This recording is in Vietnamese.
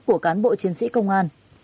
của cán bộ chiến sĩ công an